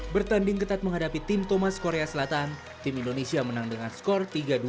bertanding ketat menghadapi tim thomas korea selatan tim indonesia menang dengan skor tiga dua